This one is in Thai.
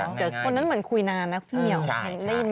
คนนั้นเหมือนคุยนานนะเพียว